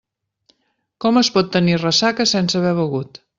Com es pot tenir ressaca sense haver begut?